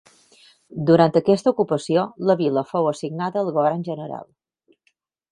Durant aquesta ocupació, la vila fou assignada al Govern General.